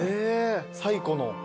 最古の。